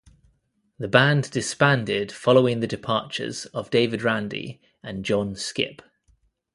The band disbanded following the departures of David Randi, and John Skipp.